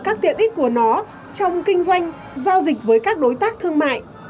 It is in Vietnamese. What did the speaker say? các tiện ích của nó trong kinh doanh giao dịch với các đối tác thương mại